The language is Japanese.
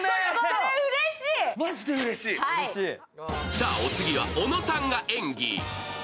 さあ、お次は小野さんが演技。